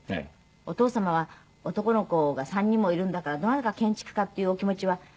お父様は男の子が３人もいるんだからどなたかが建築家っていうお気持ちは。